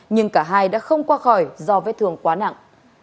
nhưng cả hai đã không qua khỏi do vết thương quá nặng